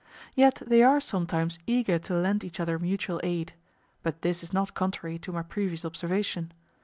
Yet they are sometimes eager to lend each other mutual aid; but this is not contrary to my previous observation.